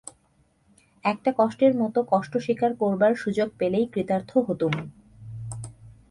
একটা কষ্টের মতো কষ্ট স্বীকার করবার সুযোগ পেলে কৃতার্থ হতুম।